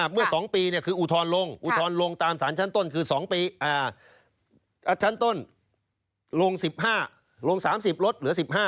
เมื่อ๒ปีคืออุทธรณ์ลงอุทธรณ์ลงตามสารชั้นต้นคือ๒ปีชั้นต้นลง๑๕ลง๓๐ลดเหลือ๑๕